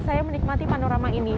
saya menikmati panorama ini